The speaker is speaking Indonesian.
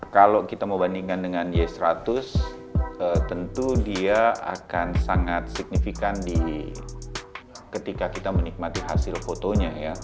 kalau kita mau bandingkan dengan y seratus tentu dia akan sangat signifikan ketika kita menikmati hasil fotonya ya